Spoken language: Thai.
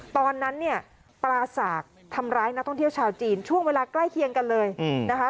ตอนนั้นเนี่ยปลาสากทำร้ายนักท่องเที่ยวชาวจีนช่วงเวลาใกล้เคียงกันเลยนะคะ